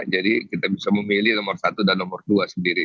jadi kita bisa memilih nomor satu dan nomor dua sendiri